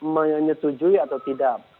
menyetujui atau tidak